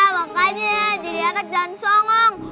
makanya jadi anak jangan songong